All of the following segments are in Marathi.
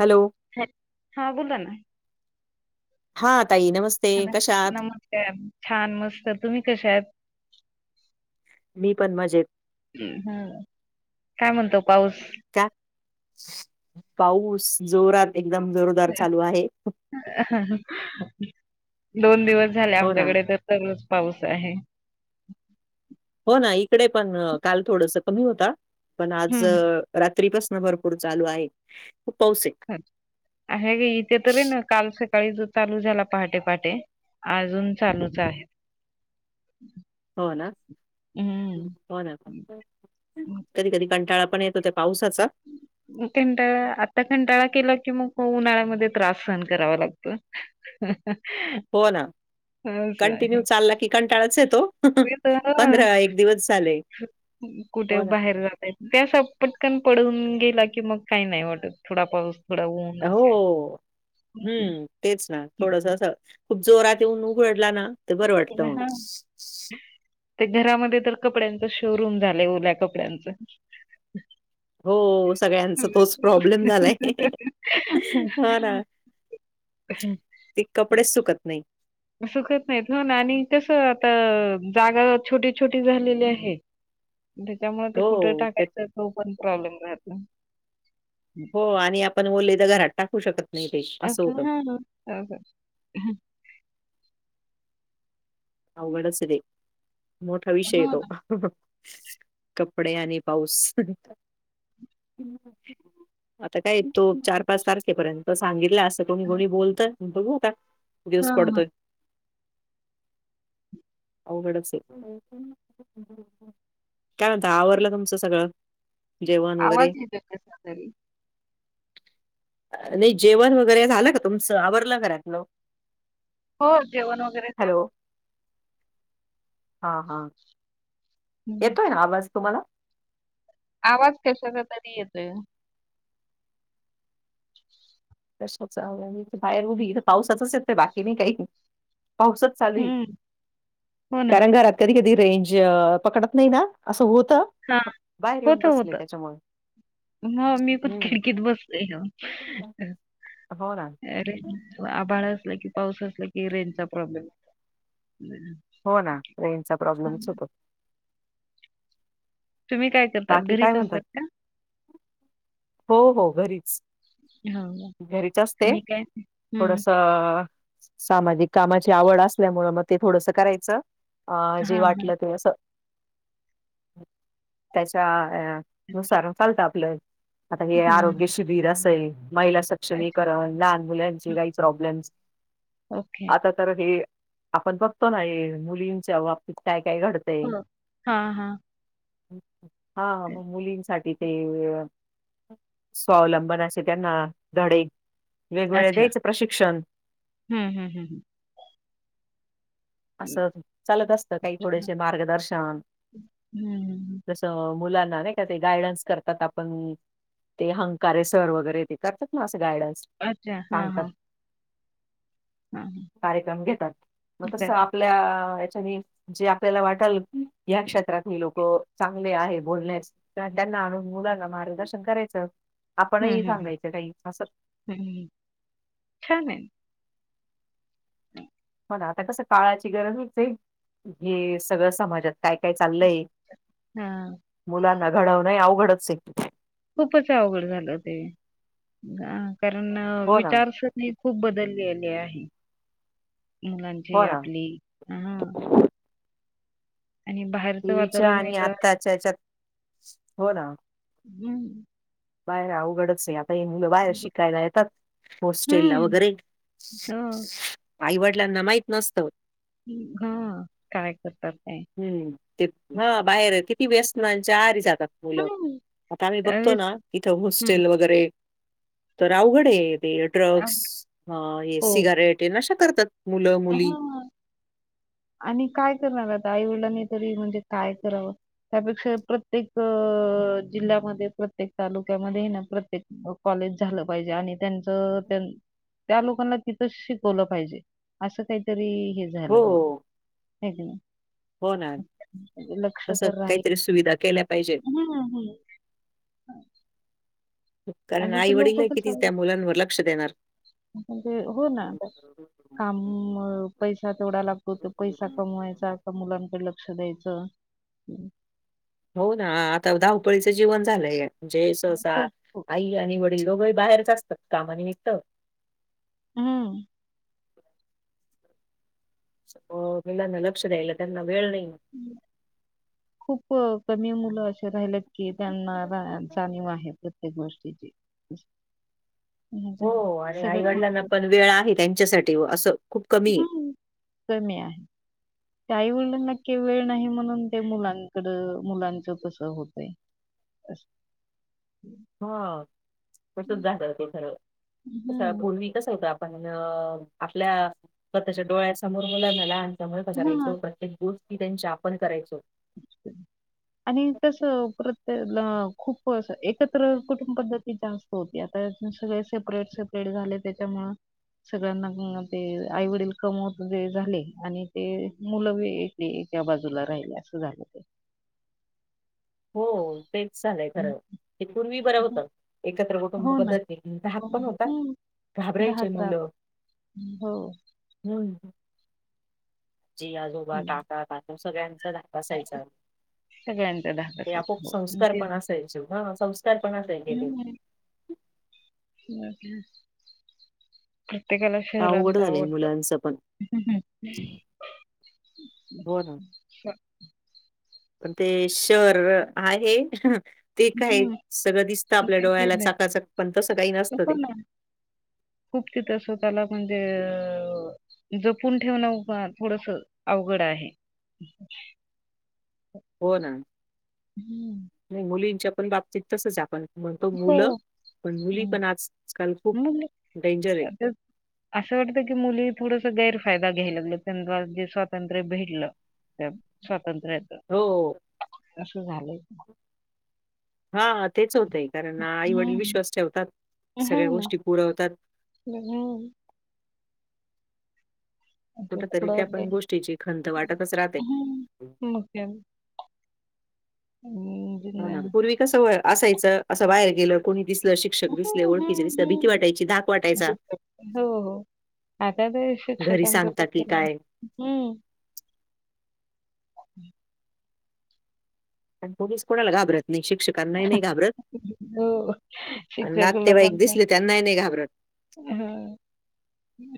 हॅलो. हॅ, हा. बोला ना. हा. ताई नमस्त- नमस्कार छान मस्त तुम्ही कशा आहेत? मी पण मजेत. ् हम्म काय म्हणतो पाऊस? का, पाऊस जोरात एकदम जोरदार चालू आहे. हहं, दोन दिवस झाले, हो ना. आमच्याकडे तर दररोज पाऊस आहे. हो ना इकडे पण काल थोडस कमी होता, पण आज हम्म. रात्रीपासन भरपूर चालू आहे, खूप पाऊस ये आहे, इथे तररी ना काल सकाळी चालू झाला पहाटे-पहाटे. अजून चालूच आहे. हो ना. हम्म. हो ना कधी-कधी कंटाळा पण येतो त्या पावसाचा. कंटाळा, आता कंटाळा केला की मग उन्हाळ्यामध्ये त्रास सहन करावा लागतो. हो ना. हच कंटिन्यू आहे [unintelligible] चालला की कंटाळाच येतो. दिवस झाले. कुठे हो ना. बाहेर जाते. ते अस पटकन पडून गेला की मग काही नाही वाटत थोडा पाऊस. थोडा ऊन असे हो, हम्म तेच ना, थोडस असा खूप जोरात येऊन पडला ना. तर बरं तन वाटतं ह [unintelligible] मग. ते घरामध्ये तर कपड्यांच शोरूम झालंय. ओल्या कपड्यांचा. हम् [unintelligible] हो सगळ्यांचा तोच प्रॉब्लेम झालाय. हां ना, [unintelligible] हम् ते कपडेच [unintelligible] सुकत नाही. सुकत नाहीत, हो ना, आणि कस आता जागा छोटी-छोटी झालेली आहे. त्यांच्यामुळे ते कुठे हो, ते टाकायचं तो पण प्रॉब्लेम राहतो. हम्म. हो आणि आपण बोलले तर घरात टाकू शकत नाही ते अ असं होतं. हा ह [unintelligible] अवघड असू दे, मोठा विषय हो आहे तो ना. का. कपडे आणि पाऊस. आता काय तो चार-पाच तारखेपर्यंत. तर सांगितलं असं, कोणी-कोणी बोलतय बघू आता किती दिवस हां, हां. पडतोय. अवघडच, काय म्हणता, आवरलं तुमचं सगळ. जेवन आवाज वगैरे? येतोय कसा तरी. नाही जेवण वगैरे झालं का तुमचं, आवरलं घरातलं. हो जेवण वगैरे हॅलो. झाले. हा हां. येतोय हम्म. ना, येतोय ना, आवाज तुम्हाला? आवाज कशाचा तरी येतोय. तसच बाहेर उभी इथे, पावसाचाच येतो बाकी नाही काही पावसच चालू आहे, हं, हो ना. कारण घरात कधी-कधी रेंज पकडत नाही ना, असं होत हां, बाहेर येऊन बसले त्याच्यामुळे ह मी पण हं. खिडकीत बसले. हो ना. रेन आभाळ असलं कि, पाऊस असला कि रेजचा प्रॉब्लेम असतो. हो ना रेंजनचा प्रॉब्लेमच होतो. तुम्ही काय? करतात? बाकी काय घरीच म्हणतात असतात का? हो - हो घरीचं. हो, हो. घरीचं असते मी काय हं, थोडसं. सामाजिक कामाची आवडं असल्यामुळं मग ते थोडसं करायचं जे हां, हां. वाटलं ते असं. त्यांच्या अ - नुसार चालतं आपलं आता हे हं, आरोग्य शिकं विरासई महिला अच्छा. सक्षमीकरण लहान मुलांची काही प्रॉब्लेम्. ओके. आता तर हे आपण बघतो ना हे मुलींच्या बाबतीत काय - काय घड हो हा हा. हा मग मुलींसाठी. ते स्वावलंबन असे त्यांना धडे. वेगवेगळे द्यायचं प्रशिक्षण. हम् हम हम हम, असं चालतं असतं काही थोडेसे मार्गदर्शन. हं, हं, हं. तसं मुलांना नाही का ते गायडन्स करतात आपण ते हंकारे सर वगैरे, ते करतात. ना असं गायडन्स. अच्छा, हा सांगतात हा. कार्यक्रम घेतात. मग तसं बरं. आपल्या याच्या यनी. जे आपल्याला वाटलं ह्या क्षेत्रात् हि लोक चांगले आहे बोलण्यात. त्या - त्याना मुलांना मार्गदर्शन करायचं आपणही सांगायचं काही असं. हम, छान ए. नाही [unintelligible] पण आता कसं काळाची गरज हे - हे सगळं समाजात काय काय चाललंय. हा. मुलांना घडवणं हे अवघडचे. खूपचं अवघड झालं ते कारण हो ना विचारस मी खूप बदलेली आहे. हो मुलांची ना आपली अहं आणि बाहेर पूर्वीच्या आणि आत्ताच्या हेच्यातं हो ना. हम्म, बाहेर अवघडचं हे. काही मुलं बाहेर शिकायला येतात हॉस्टेला हं, वगैरे, हो, आईवडीलांना माहीतं नसतं. हां, काय करतात काय? हम्म, ते. हा बाहेर कित ती व्यसनांच्या आहारी जातात मुलं हं, आता आम्ही बघतो त्यावेळेस ना इथं हं, हॉस्टेल वगैरे, तर अवघड ते ड्रग्स हा हे हो. सिगरेट. ते नशा करतात मुलं - मुली. हां. आणि काय करणार आता आईवडिलांनी तरी म्हणजे काय करावं. त्यापेक्षा प्रत्येक अ - जिल्ह्यामध्ये प्रत्येक तालुक्यामध्ये ना प्रत्येक अ - कॉलेज झालं पाहीजे आणि त्यांचं त्यां त्या लोकांना तिथं शिकवलं पाहिजे असं काहीतरी हे झालं हो, पाहिजे. हग हो ना. लक्ष तसं तर काहीतरी राहील सुविधा केल्या पाहिजेत. होना हो हम [unintelligible] कारण आईवडील कि तिचं त्या मुलांवर लक्ष देणार. म्हणजे हो ना काम पैसा केवढा लागतो तर पैसा कमवायचा का मुलांकडे लक्ष द्यायचं हो ना आता धावपळीचं जीवन झालंय म्हणजे सहसा खूप, खूप. आई आणि वडील दोघंही बाहेरच असतात कामानिमित्त हम्म हो मुलांना लक्ष द्यायला त्यांना वेळ नाही [unintelligible] खूप कमी मुलं असे राहिलेत की त्यांना जाणीव आहे प्रत्येक गोष्टीची [unintelligible] हो आणि सगळे आईवडीलांना बरोबर पण वेळ आहे त्यांच्यासाठी व असं खूप कमी हम्म, कमी आहे ते काही वडीलांना की वेळ नाही म्हणून ते मुलांकड मुलांच कस होतय असं हा तसंच झालं होत खरं तसं हम्म पूर्वी कसं होत पण आपल्या स्वतःच्या डोळ्यासमोर मुलांना लहान समजा जरा एक हा दोन प्रत्येक गोष्टी त्यांच्या आपण करायचो आणि तसं प्रत्येक खूप अस एकत्र कुटुंब पद्धतीच्या अस हो की आता सगळे सेपरेट, सेपरेट झाले त्याच्यामुळ सगळ्यांना ते आईवडील कमवते झाले आणि ते मुलंबी एक ते एक्या बाजूला राहिले असं झालं हो तेच झालंय हं, खरं ते पूर्वी बरं हं, हं. होतं एकत्र कुटुंब हो ना पद्धतीने धाक पण होता हम्म घाबरायचे दहाच मुलं राहतात हो जे आजोबा हम्म. काका, काकू सगळ्यांचा धाक असायचा सगळ्यांचाच आपोआप संस्कार पण असायचे ह संस्कार पण असायचे ते हम्म. [unintelligible] प्रत्येकाला शहरात अवघड जावं झालंय वाटतं मुलांचं पण. हो ना ते शहर आहे ते काय हम्म. सगळं दिसतं आपल्या काही डोळ्याला नाही चाकाचक पण तसं काही नसतं हो ते ना खूप तिथं स त्याला म्हणजे अ जपून ठेवण उ थोडस अवघड आहे [inaudible] हो ना हम्म. नाही मुलींच्या पण बाबतीत तसच आपण म्हणतो मुलं हो. पण मुली पण आज मुले असं वाटतं की मुली थोडस गैरफायदा घ्यायला लागला त्यां जे स्वातंत्र्य भेडल त्यात स्वातंत्र्य येत हो असं झालंय हा तेच होतंय कारण आईवडील हम्म. विश्वास ठेवतात सगळ्या गोष्टी पुढं होतात ह कुठ तरी त्या पण गोष्टीची खंत वाटतच राहते. हम्म हम हो ना पूर्वी कसं हो असायचं, असं बाहेर गेलं कोणी दिसं अं, हं, धाक वाटायचा. हो-हो. आता हे घरी शिक्षकाच्या सांगता की भितीने, काय? हम्म. पण कोणीच कोणाला घाबरत नाही, शिक्षक कना नाही घाबरत, हो. अन् शिक्षक नातेवाईक दिसले त्यांना ही नाही घाबरत हा, हम्,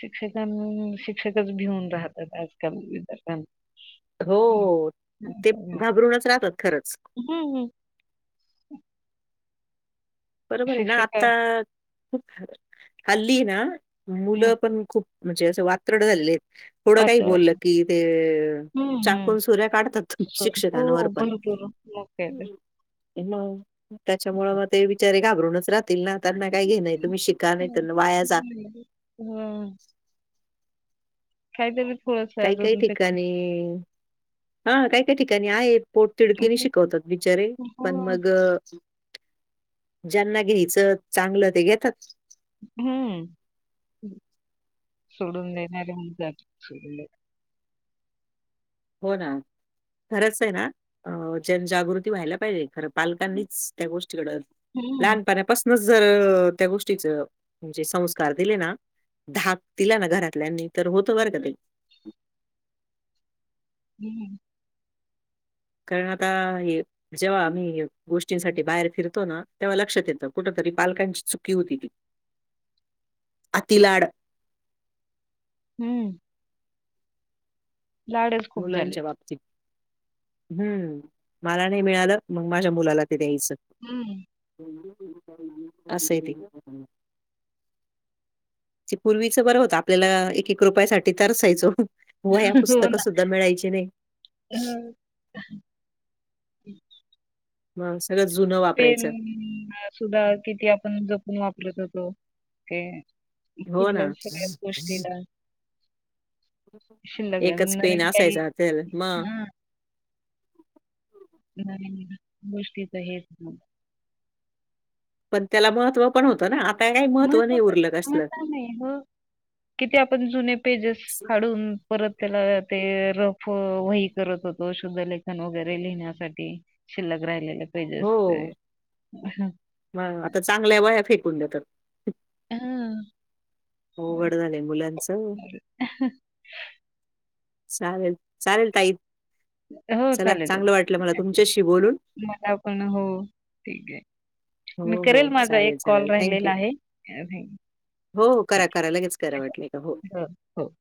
शिक्षकां नं शिक्षकच भिऊन राहतात, आजकाल विद्यार्थ्यांना. हो ते घाबरूनचं राहतात खरंच. हम्, हम्. बरोबर आहे ना आता खुप हल्ली ना हं. मुलं पण खूप म्हणजे असं वात्रट झालेले. थोडं काही वातावरण. बोललं कि ते, हं, हं. चाकून- सुर्या काढतात शिक्षकांवर पण. ते तर ते ना त्याच्यामुळं मग ते बिचारे घाबरूनचं राहतील ना. त्यांना काही घेणं ये तुम्ही शिका नाही तर वाया जा. हम्म, काय दिली पोझ काही -काही ठिकाणी, हा काय- काय ठिकाणी आहे. पोटतेरीकीने शिकवतात बिचारे पण हो. मग अं ज्यांना घ्यायचं चांगलं ते घेतात. हम्म, सोडून देणारे म्हणतात. हो ना. खरंच ये ना अ जनजागृती व्हायला पाहिजे, खरं पालकांनीच त्या गोष्टी वर हं, लहानपणापासूनच जर त्या गोष्टीच म्हणजे संस्कार दिले ना धाक दिला ना घरातल्यांनी तर होतं बरं का ते. हम्म, कारण आता हे जेव्हा आम्ही गोष्टींसाठी बाहेर फिरतो ना, तेव्हा लक्षात येतं कुठ तरी पालकांची चुकी होती ती. अति लाड हम्म, लाडच खूप मुलांच्या झालेत. बाबतीत. हम्म, मला नाही मिळालं मग माझ्या मुलाला ते द्यायचं. हम्म, असंय ते. ते पूर्वीच बरं होतं आपल्याला एक -एक रुपया साठी तरसाय चो. हो ना. त मिळायचे नाही. हं, मग सगळं जुनं पेन वापरायचं. सुद्धा किती आपण जपून वापरत होतो, ते हो ना. कुठल्या सगळ्याच गोष्टीला. शिल्लगन एकच पेन नवीन काही, असायचा त्याला मग. हा. नाही गोष्टीच हेच ना. पण त्याला महत्व पण होतं ना. आता काही म महत्त्व नाही उरलं म कसलं. का नाही हो किती आपण जुने पेजेस फाडून परत त्याला ते रफ वही करत होतो शुद्ध लेखन वगैरे लिहिण्यासाठी. शिल्लक राहिलेले पेजे हो. असतय. मग आता चांगल्या वया फेकून द्या तर, अ हा हो उवघड झालं मुलांचं. चालेल चालेल ताई हो, चला चालेल, चांगलं चालेल. वाटलं मला तुमच्याशी बोलून. मला पण हो ठीक आहे. मी हो हो करेल माझा एक चालेल कॉल चालेल राहिलेला थँक्यू आहे हो करा ठीक करा लगेच करा आहे. वाटलंय का हो. हो